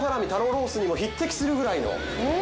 ロースにも匹敵するぐらいの。